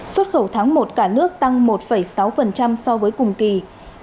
xuất khẩu tháng một cả nước tăng một sáu so với cùng kỳ năm ngoái